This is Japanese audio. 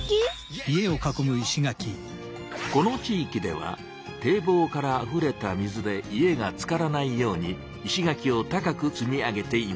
この地いきでは堤防からあふれた水で家がつからないように石垣を高く積み上げていました。